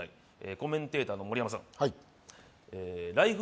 コメンテーターの盛山さんはいライフ